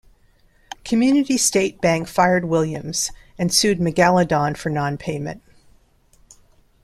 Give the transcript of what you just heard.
Community State Bank fired Williams and sued Megaladon for nonpayment.